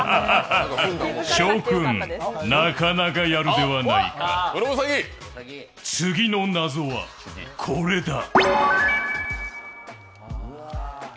紫耀君、なかなかやるではないか次の謎はこれだ。